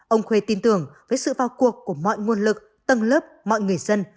ông khuê tin tưởng với sự vào cuộc của mọi nguồn lực tầng lớp mọi người dân